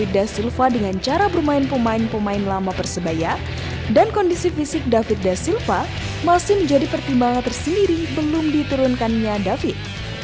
da silva dengan cara bermain pemain pemain lama persebaya dan kondisi fisik david da silva masih menjadi pertimbangan tersendiri belum diturunkannya david